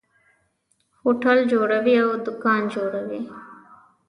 هوټل جوړوي او دکان جوړوي.